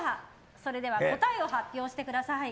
それでは答えを発表してください。